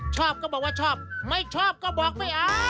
ชอบก็บอกว่าชอบไม่ชอบก็บอกไม่เอา